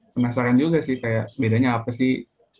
penasaran juga sih kayak bedanya apa sih